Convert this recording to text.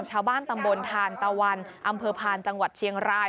ชาวบ้านตำบลทานตะวันอำเภอพานจังหวัดเชียงราย